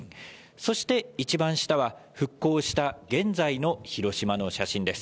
そして一番下は、復興した現在の広島の写真です。